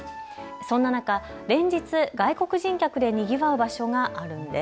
そんな中、連日、外国人客でにぎわう場所があるんです。